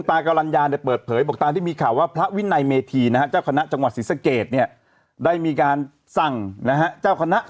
ฟันฟันฟันฟันฟันฟันฟันฟันฟันฟันฟันฟันฟันฟันฟัน